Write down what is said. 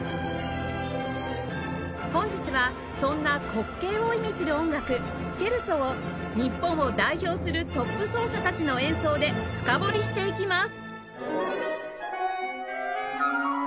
本日はそんな滑稽を意味する音楽スケルツォを日本を代表するトップ奏者たちの演奏で深掘りしていきます